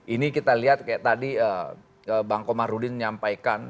ini kita lihat kayak tadi bang komarudin menyampaikan